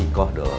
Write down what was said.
iko atau atem kum